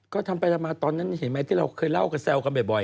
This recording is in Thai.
ก็ทำไปทำมาตอนนั้นเห็นไหมที่เราเคยเล่ากับแซวกันบ่อย